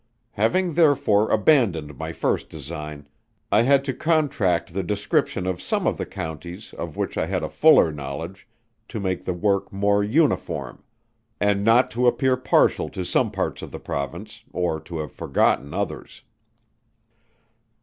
Having therefore abandoned my first design, I had to contract the description of some of the Counties of which I had a fuller knowledge, to make the Work more uniform; and not to appear partial to some parts of the Province, or to have forgotten others.